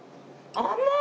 甘い！